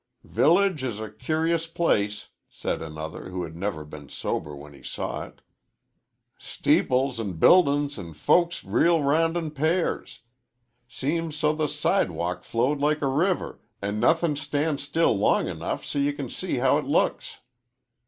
"Village is a cur'ous place," said another, who had never been sober when he saw it. "Steeples an' buildin's an' folks reel 'round in pairs. Seems so the sidewalk flowed like a river, an' nothin' stan's still long 'nough so ye can see how 't looks."